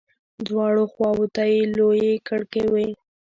دواړو خواو ته يې لويې کړکۍ وې.